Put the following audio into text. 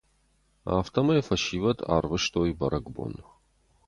Афтӕмӕй фӕсивӕд ӕрвыстой бӕрӕгбон.